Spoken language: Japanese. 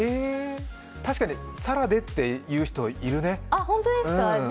確かにさらでって言う人いるね。